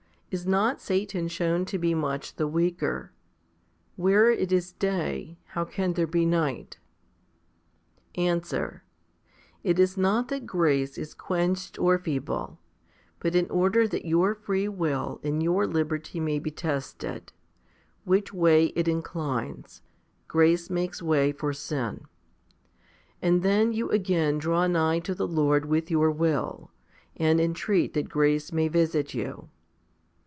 Is not Satan shown to be much the weaker? Where it is day, how can there be night? Answer. It is not that grace is quenched of feeble; but in order that your free will and your liberty may be tested, which way it inclines, grace makes way for sin ; and then you again draw nigh to the Lord with your will, and en treat that grace may visit you.